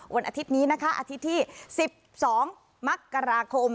วันอาทิตย์นี้นะคะอาทิตย์ที่๑๒มกราคม